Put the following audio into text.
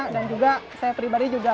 dan juga saya pribadi juga